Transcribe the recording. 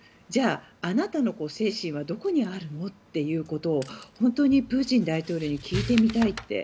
じゃあ、あなたの精神はどこにあるのということを本当にプーチン大統領に聞いてみたい。